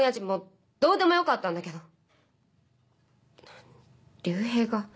もうどうでもよかったんだけど隆平が。